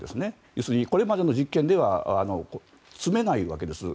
要するにこれまでの実験では積めないわけです。